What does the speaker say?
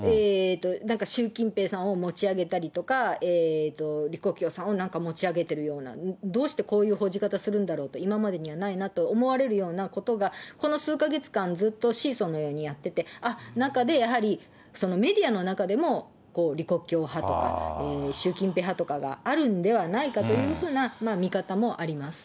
なんか習近平さんを持ち上げたりとか、李克強さんをなんか持ち上げてるような、どうしてこういう報じ方するんだろうっていう、今までにはないなと思われるようなことが、この数か月間、ずっとシーソーのようにやってて、あっ、中でやはり、メディアの中でも、李克強派とか、習近平派とかがあるんではないかというふうな見方もあります。